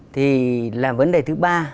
thì là vấn đề thứ ba